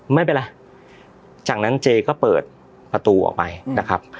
ไม่เป็นไรจากนั้นเจก็เปิดประตูออกไปนะครับ